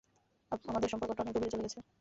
আমাদের সম্পর্কটা অনেক গভীরে চলে গেছে।